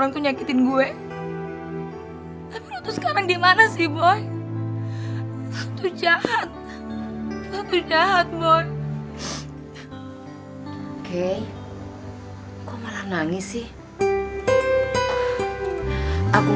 ku yakin dalam hatiku